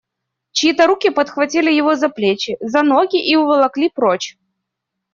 Чьи-то руки подхватили его за плечи, за ноги и уволокли прочь.